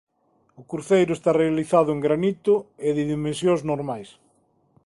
O cruceiro está realizado en granito e de dimensións normais.